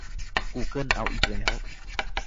กูเกิลเอาอีกแล้ว !